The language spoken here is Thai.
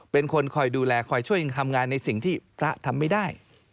เป็นคนคอยดูแลคอยช่วยยังทำงานในสิ่งที่พระทำไม่ได้